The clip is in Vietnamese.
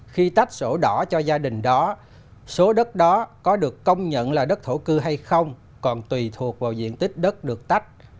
khi tách sổ đỏ cho gia đình đó số đất đó có được công nhận là đất thổ cư hay không còn tùy thuộc vào diện tích đất được tách